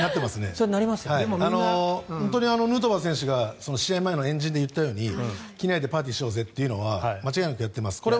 ヌートバー選手が試合前の円陣で言ったように機内でパーティーしようぜというのは間違いなく行っています。